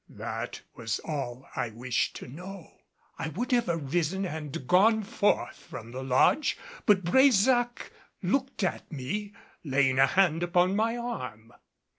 That was all I wished to know. I would have arisen and gone forth from the lodge but Brésac looked at me, laying a hand upon my arm.